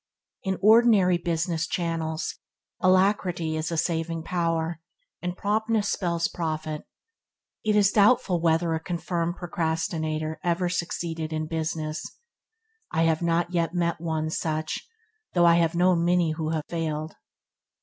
In ordinary business channels, alacrity is a saving power, and promptness spells profit. It is doubtful whether a confirmed procrastinator ever succeeded in business. I have not yet met one such, though I have known many who have failed.